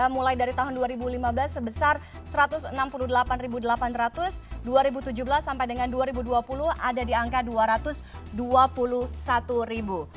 mulai dari tahun dua ribu lima belas sebesar satu ratus enam puluh delapan delapan ratus dua ribu tujuh belas sampai dengan dua ribu dua puluh ada di angka dua ratus dua puluh satu ribu